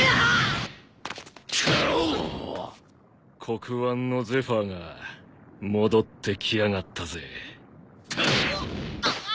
黒腕のゼファーが戻ってきやがったぜ。